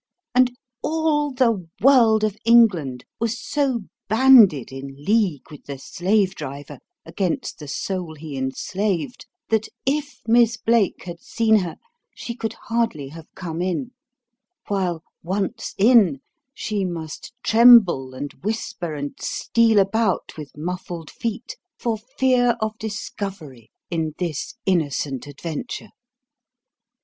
And all the world of England was so banded in league with the slave driver against the soul he enslaved, that if Miss Blake had seen her she could hardly have come in: while, once in, she must tremble and whisper and steal about with muffled feet, for fear of discovery in this innocent adventure.